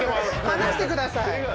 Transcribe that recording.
離してください。